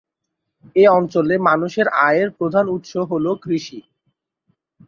এ অঞ্চলের মানুষের আয়ের প্রধান উৎস হল কৃষি।